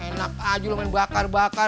enak aja lo main bakar bakar